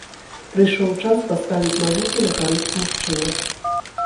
Прыйшоў час паставіць навуку на карысць мужчыны!